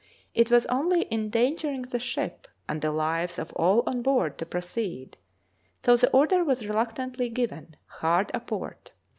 It was only endangering the ship and the lives of all on board to proceed; so the order was reluctantly given, 'Hard a port.'